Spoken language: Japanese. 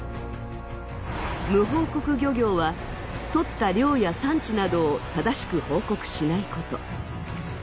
無報告漁業は取った量や産地などを正しく報告しないこと。